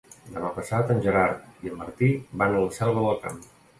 Demà passat en Gerard i en Martí van a la Selva del Camp.